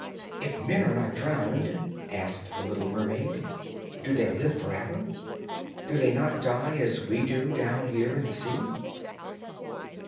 'If men are not drowned,' asked the little mermaid, 'do they live for ever? Do they not die as we do down here in the sea?'